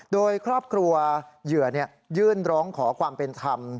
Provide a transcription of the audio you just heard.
โดยครอบครัวเหยื่อยื่นร้องขอความเป็นธรรม